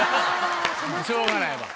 しょうがないわ。